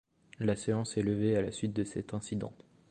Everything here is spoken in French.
La séance est levée à la suite de cet incident.